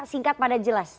singkat pada jelas